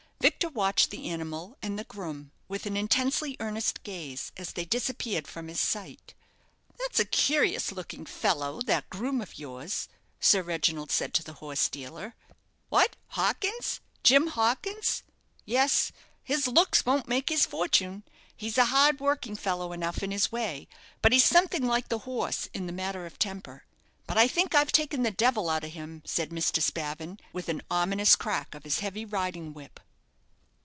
Victor watched the animal and the groom with an intensely earnest gaze as they disappeared from his sight. "That's a curious looking fellow, that groom of yours," Sir Reginald said to the horse dealer. "What, Hawkins Jim Hawkins? Yes; his looks won't make his fortune. He's a hard working fellow enough in his way; but he's something like the horse in the matter of temper. But I think I've taken the devil out of him," said Mr. Spavin, with an ominous crack of his heavy riding whip.